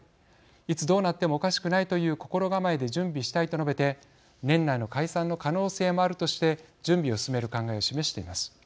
いつ、どうなってもおかしくないという心構えで準備したい」と述べて年内の解散の可能性もあるとして準備を進める考えを示しています。